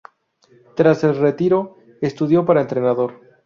Tras el retiro, estudió para entrenador.